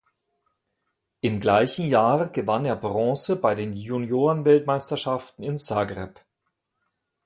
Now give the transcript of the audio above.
Im gleichen Jahr gewann er Bronze bei den Juniorenweltmeisterschaften in Zagreb.